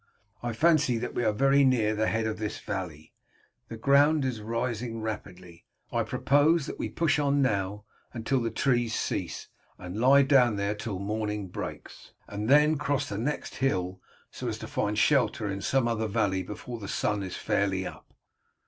I fancy that we are very near the head of this valley, the ground is rising rapidly. I propose that we push on now till the trees cease, and lie down there till morning breaks, and then cross the next hill so as to find shelter in some other valley before the sun is fairly up.